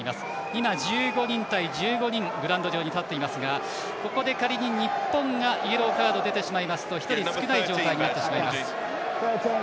今、１５人対１５人グラウンド上に立っていますがここで仮に日本がイエローカード出てしまいますと１人少ない状態になってしまいます。